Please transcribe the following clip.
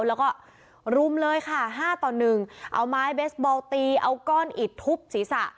แล้วก็รุมเลยค่ะ๕ต่อ๑เอาไม้เบสบอลตีเอาก้อนอิดทุบศีรษะ